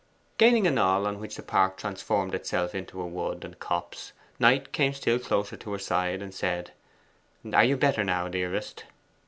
Gaining a knoll on which the park transformed itself into wood and copse, Knight came still closer to her side, and said, 'Are you better now, dearest?